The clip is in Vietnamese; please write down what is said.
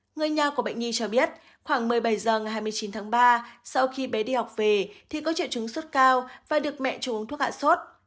người nhà của bệnh nhi cho biết khoảng một mươi bảy h ngày hai mươi chín tháng ba sau khi bé đi học về thì có triệu chứng sốt cao và được mẹ cho uống thuốc hạ sốt